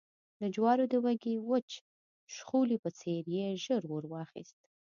د جوارو د وږي د وچ شخولي په څېر يې ژر اور واخیست